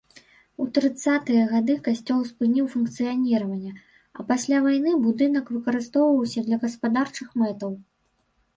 У трыццатыя гады касцёл спыніў функцыяніраванне, а пасля вайны будынак выкарыстоўваўся для гаспадарчых мэтаў.